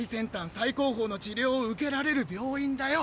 最高峰の治療を受けられる病院だよ。